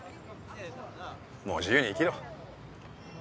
もう自由に生きろ。